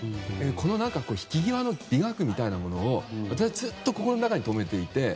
この引き際の美学みたいなものを私はずっと心の中に留めていて。